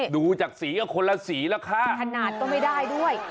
ดูจากสีก็คนละสีแล้วค่ะขนาดก็ไม่ได้ด้วย